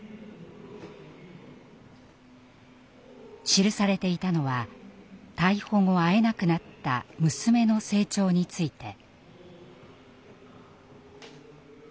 記されていたのは逮捕後会えなくなった娘の成長について。